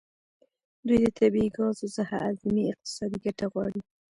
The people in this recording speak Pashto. دوی د طبیعي ګازو څخه اعظمي اقتصادي ګټه غواړي